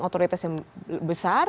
otoritas yang besar